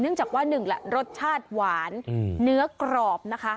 จากว่าหนึ่งแหละรสชาติหวานเนื้อกรอบนะคะ